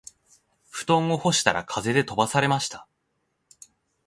布団を干したら風で飛ばされました